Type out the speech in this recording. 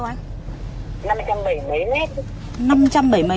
em ơi em nói thế này